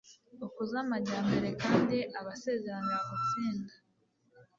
ukuze amajyambere kandi abasezeranira gutsinda.